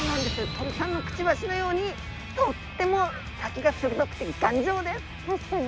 鳥さんのくちばしのようにとっても先がするどくてがんじょうです。